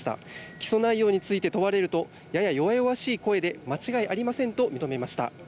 起訴内容について問われるとやや弱々しい声で間違いありませんと認めました。